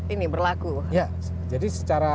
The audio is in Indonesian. ini berlaku jadi secara